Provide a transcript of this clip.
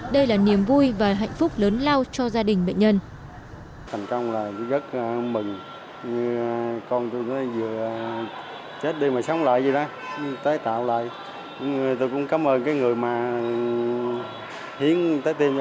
đây là niềm vui và hạnh phúc lớn lao cho gia đình bệnh nhân